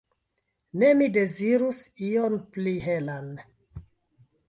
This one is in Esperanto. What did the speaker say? Ne, mi dezirus ion pli helan.